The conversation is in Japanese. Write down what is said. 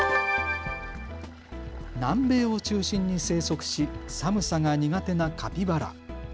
南米を中心に生息し寒さが苦手なカピバラ。